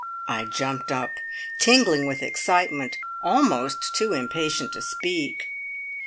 I jumped up; tingling with excitement, almost too impatient to speak.